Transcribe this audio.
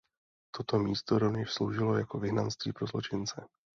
Toto místo rovněž sloužilo jako vyhnanství pro zločince.